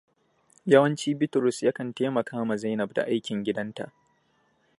Yawanci Bitrus yakan taimaka ma Zainab da aikin gidan ta.